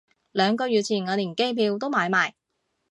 兩個月前我連機票都買埋